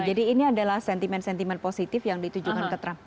jadi ini adalah sentimen sentimen positif yang ditujukan ke trump